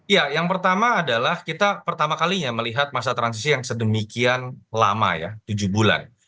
ya yang pertama adalah kita pertama kalinya melihat masa transisi yang sedemikian lama ya tujuh bulan